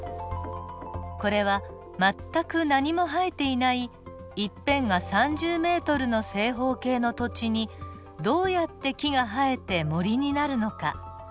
これは全く何も生えていない１辺が３０ｍの正方形の土地にどうやって木が生えて森になるのか。